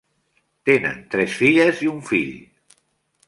Tenen tres filles i un fill.